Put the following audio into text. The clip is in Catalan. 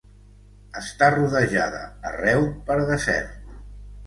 Està rodejada arreu per desert.